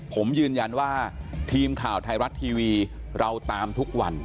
ผมยืนยันว่าทีมข่าวไทยรัฐทีวีเราตามทุกวัน